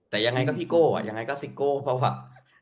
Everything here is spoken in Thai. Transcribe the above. แต่ยังไงก็พี่โก้อ่ะยังไงก็ซิโก้เพราะว่า